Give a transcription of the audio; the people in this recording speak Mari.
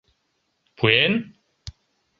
Пуэн?